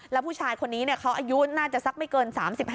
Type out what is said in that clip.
แล้วผู้ชายคนนี้เขาอายุน่าจะสักไม่เกิน๓๕